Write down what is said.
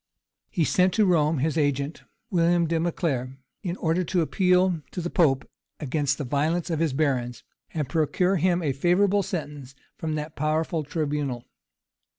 [] And he sent to Rome his agent, William de Mauclere, in order to appeal to the pope against the violence of his barons, and procure him a favorable sentence from that powerful tribunal.